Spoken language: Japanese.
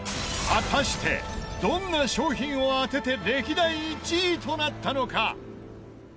果たしてどんな商品を当てて歴代１位となったのか？